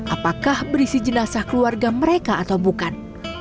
apakah berisi jenazah keluarga mereka atau bukan